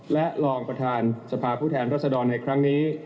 และรองประธานสภาผู้แทนรัศดรในครั้งนี้